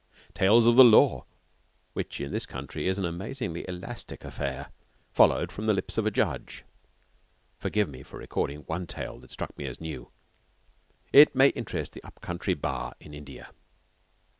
"Tales of the Law," which in this country is an amazingly elastic affair, followed from the lips of a judge. Forgive me for recording one tale that struck me as new. It may interest the up country Bar in India.